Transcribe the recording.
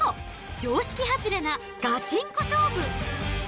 常識外れなガチンコ勝負。